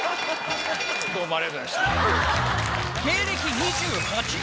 芸歴２８年。